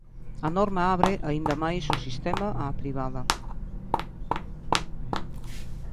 A norma abre aínda máis o sistema á privada.